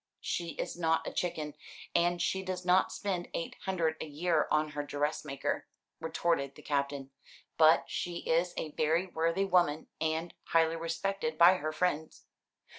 "She is not a chicken, and she does not spend eight hundred a year on her dressmaker," retorted the Captain. "But she is a very worthy woman, and highly respected by her friends.